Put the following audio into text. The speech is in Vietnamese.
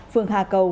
phường hà cầu